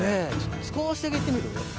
少しだけ行ってみる？